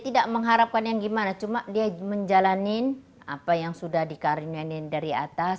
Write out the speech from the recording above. tidak mengharapkan yang gimana cuma dia menjalani apa yang sudah dikarenain dari atas